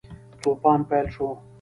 توپان پیل شو.